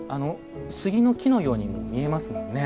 杉の木のようにも見えますもんね。